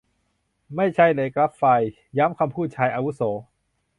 ไม่ใช่เลย กรัฟฟลาย ย้ำคำพูดชายอาวุโส